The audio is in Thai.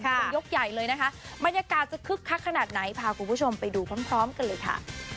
กันยกใหญ่เลยนะคะบรรยากาศจะคึกคักขนาดไหนพาคุณผู้ชมไปดูพร้อมกันเลยค่ะ